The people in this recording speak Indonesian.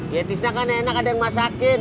ya tisnah kan enak ada yang masakin